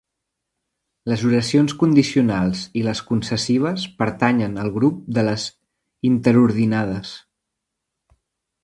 Les oracions condicionals i les concessives pertanyen al grup de les interordinades.